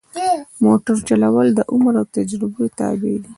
د موټر چلول د عمر او تجربه تابع دي.